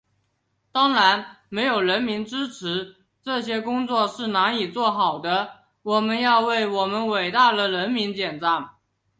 当然，没有人民支持，这些工作是难以做好的，我要为我们伟大的人民点赞。